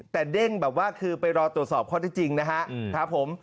แต่เด้งแบบว่าคือไปรอตรวจสอบข้อที่จริงนะครับผม